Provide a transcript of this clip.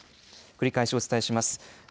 繰り返しお伝えします。